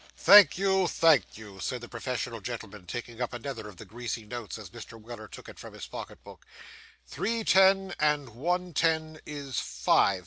'Thank you, thank you,' said the professional gentleman, taking up another of the greasy notes as Mr. Weller took it from the pocket book. 'Three ten and one ten is five.